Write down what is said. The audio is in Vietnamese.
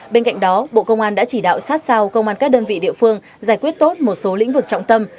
bên cạnh đó bộ công an đã chỉ đạo sát sao công an các đơn vị địa phương giải quyết tốt một số lĩnh vực trọng tâm